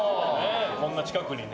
こんな近くにね。